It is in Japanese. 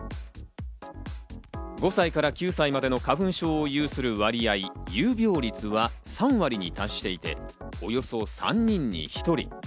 ５歳から９歳までの花粉症を有する割合、有病率は３割に達していて、およそ３人に１人。